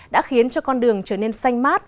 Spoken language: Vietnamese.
đã khiến cho con đường trở nên xanh mát